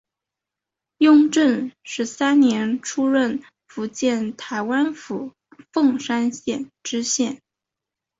雍正十三年出任福建台湾府凤山县知县。